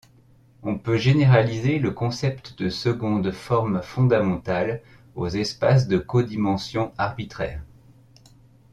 On peut généraliser le concept de seconde forme fondamentale aux espaces de codimension arbitraire.